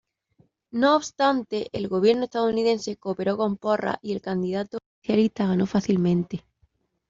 No obstante, el gobierno estadounidense cooperó con Porras y el candidato oficialista ganó fácilmente.